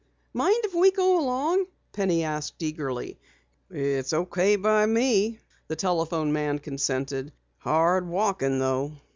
"Mind if we go along?" Penny asked eagerly. "It's okay with me," the telephone man consented. "Hard walking though."